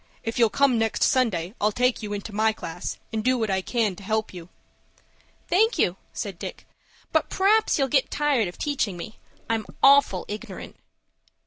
If you'll come next Sunday, I'll take you into my class, and do what I can to help you." "Thank you," said Dick, "but p'r'aps you'll get tired of teaching me. I'm awful ignorant."